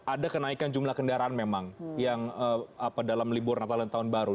ada kenaikan jumlah kendaraan memang yang dalam libur natal dan tahun baru